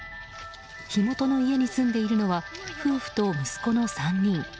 火元の家に住んでいるのは夫婦と息子の３人。